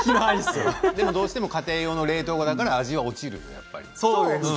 どうしても家庭用の冷凍庫だから味が落ちるよね。